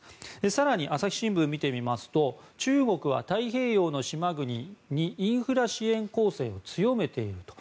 更に朝日新聞を見てみますと中国は太平洋の島国にインフラ支援攻勢を強めていると。